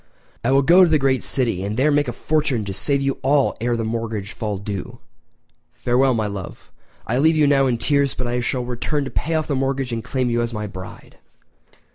I will go to the great city and there make a fortune to save you all ere the mortgage fall due! Farewell, my love—I leave you now in tears, but I shall return to pay off the mortgage and claim you as my bride!"